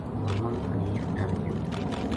محمد حنیف ڈر گیو